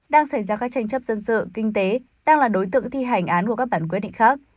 đang xảy ra các tranh chấp dân sự kinh tế đang là đối tượng thi hành án hoặc các bản quyết định khác